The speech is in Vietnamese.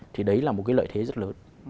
thì đấy là một cái lợi thế rất lớn